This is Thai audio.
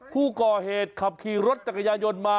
ผู้ก่อเหตุขับขี่รถจักรยายนต์มา